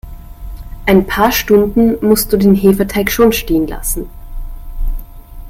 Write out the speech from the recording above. Ein paar Stunden musst du den Hefeteig schon stehen lassen.